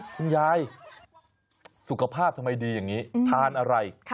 คุณยายสุขภาพทำไมดีอย่างนี้ทานอะไร